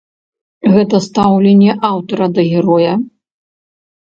Гэта стаўленне аўтара да героя?